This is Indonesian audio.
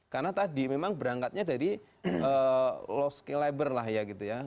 karena tadi memang berangkatnya dari low skill labor lah ya gitu ya